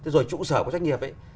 rồi trụ sở của doanh nghiệp ấy